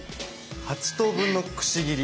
８等分のくし切り？